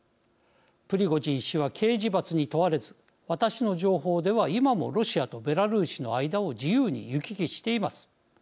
プリゴジン氏は刑事罰に問われず私の情報では今もロシアとベラルーシの間を自由に行き来しています。